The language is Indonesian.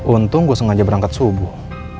untung gue sengaja berangkat subuh